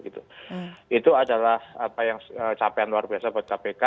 itu adalah apa yang capaian luar biasa buat kpk